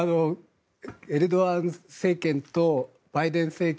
エルドアン政権とバイデン政権